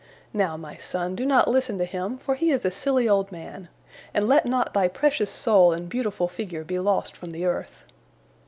Now, my son, do not listen to him, for he is a silly old man, and let not thy precious soul and beautiful figure be lost from the earth."